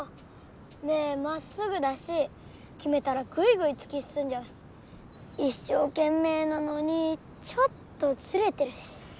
メイまっすぐだしきめたらグイグイつきすすんじゃうし一生けんめいなのにちょっとズレてるし。